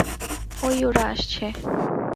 ওই ওরা আসছে।